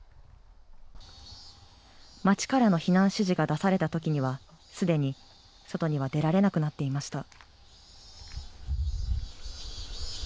町からの避難指示が出されたときには、すでに外には出られなくなっていました。